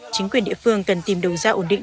chính quyền địa phương cần tìm đồn da ổn định